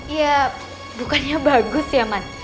ya bukannya bagus ya man